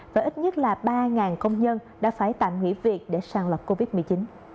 và ít nhất là ba công nhân đã phải tạm nghỉ việc để sàng lọc covid một mươi chín